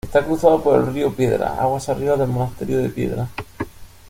Está cruzado por el río Piedra, aguas arriba del Monasterio de Piedra.